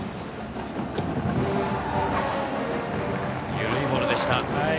緩いボールでした。